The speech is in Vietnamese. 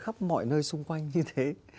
khắp mọi nơi xung quanh như thế